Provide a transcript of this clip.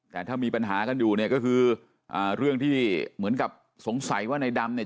แต่ถ้ามีปัญหากันอยู่เนี่ยก็คืออ่าเรื่องที่เหมือนกับสงสัยว่าในดำเนี่ย